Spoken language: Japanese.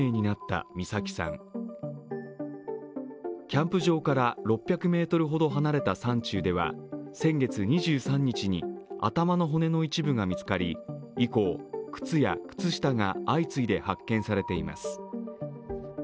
キャンプ場から６００ｍほど離れた山中では先月２３日に頭の骨の一部が見つかり、以降、靴や靴下が相次いで発見されています。